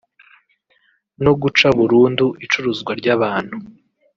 no guca burundu icuruzwa ry’abantu